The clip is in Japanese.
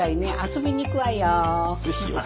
遊びに行くわよ。